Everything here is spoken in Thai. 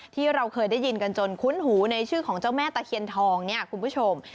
ที่เราเคยได้ยินกันจนคุ้นหูในชื่อของเจ้าแม่ตะเคียนทองเนี่ยคุณผู้ชม